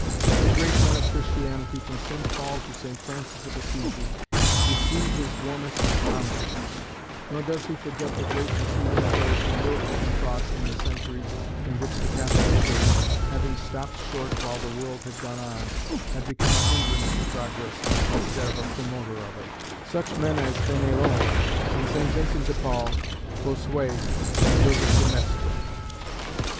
The great men of Christianity, from St Paul to St Francis of Assisi, receive his warmest homage: nor does he forget the greatness even of those who lived and thought in the centuries in which the Catholic Church, having stopt short while the world had gone on, had become a hindrance to progress instead of a promoter of it; such men as Fénélon and St Vincent de Paul, Bossuet and Joseph de Maistre.